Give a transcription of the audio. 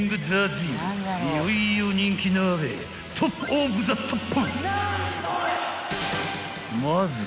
［いよいよ人気鍋トップオブザトップ！］